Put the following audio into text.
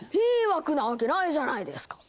迷惑なわけないじゃないですか！